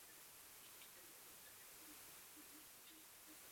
Většina těchto lidí byla repatriována.